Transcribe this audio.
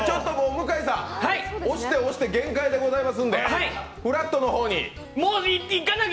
向井さん、押して押して限界でございますので、「＃ふらっと」の方に。